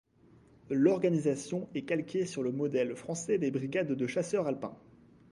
L'organisation est calquée sur le modèle français des brigades de chasseurs alpins.